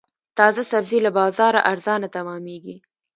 تازه سبزي له بازاره ارزانه تمامېږي.